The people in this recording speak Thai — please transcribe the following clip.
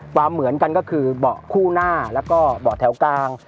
เหมือนกันก็คือเบาะคู่หน้าแล้วก็เบาะแถวกลาง